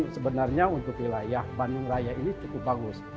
sebenarnya untuk wilayah bandung raya ini cukup bagus